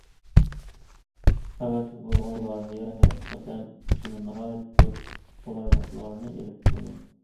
قەۋەتلىك بولغان لايىھە ھەقىقەتەن كىشىگە ناھايىتى كۆپ قولايلىقلارنى ئېلىپ كېلىدۇ.